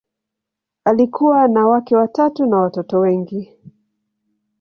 Alikuwa na wake watatu na watoto wengi.